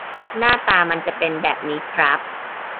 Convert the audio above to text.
หน้าตามันจะเป็นแบบนี้ครับ